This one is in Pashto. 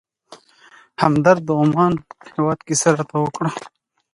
همدرد د عمان هېواد کیسه راته وکړه.